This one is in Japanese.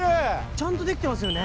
ちゃんとできてますよね。